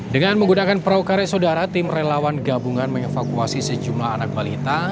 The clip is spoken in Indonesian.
dengan menggunakan peraukare sodara tim relawan gabungan mengevakuasi sejumlah anak balita